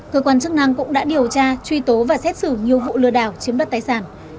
cơ quan chức năng cũng đã điều tra truy tố và xét xử nhiều vụ lừa đảo chiếm đất tài sản